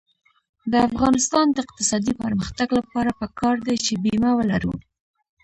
د افغانستان د اقتصادي پرمختګ لپاره پکار ده چې بیمه ولرو.